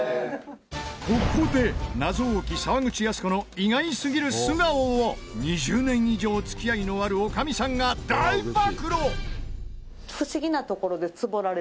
ここで謎多き沢口靖子の意外すぎる素顔を２０年以上付き合いのある女将さんが大暴露。